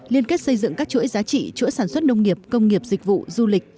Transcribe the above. liên kết xây dựng các chuỗi giá trị chuỗi sản xuất nông nghiệp công nghiệp dịch vụ du lịch